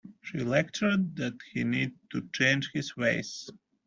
She lectured that he needed to change his ways.